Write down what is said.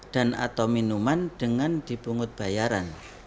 atau minuman dengan dipungut bayaran